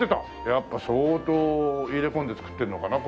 やっぱり相当入れ込んで造ってるのかな？